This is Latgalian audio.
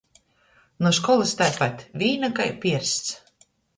Nu školys taipat — vīna kai piersts.